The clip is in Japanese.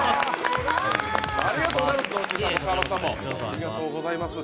ありがとうございます。